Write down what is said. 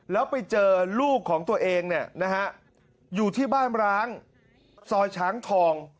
แล้วไปเจอลูกของตัวเองเนี่ยนะฮะอยู่ที่บ้านร้างซอยช้างทอง